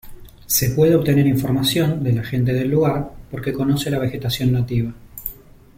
Se puede obtener información de la gente del lugar, porque conoce la vegetación nativa.